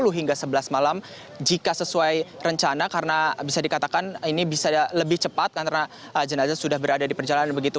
sepuluh hingga sebelas malam jika sesuai rencana karena bisa dikatakan ini bisa lebih cepat karena jenazah sudah berada di perjalanan begitu